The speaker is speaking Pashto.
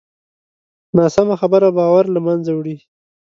ناسمه خبره باور له منځه وړي